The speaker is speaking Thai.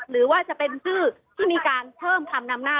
หรือว่าจะเป็นชื่อที่มีการเพิ่มคำนำหน้า